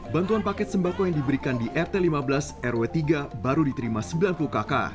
bantuan paket sembako yang diberikan di rt lima belas rw tiga baru diterima sembilan puluh kakak